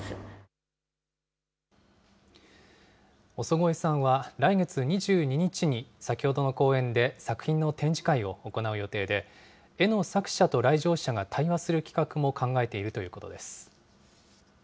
尾曽越さんは、来月２２日に先ほどの公園で作品の展示会を行う予定で、絵の作者と来場者が対話する企画も考えているということです。